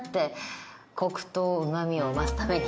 コクとうま味を増すために。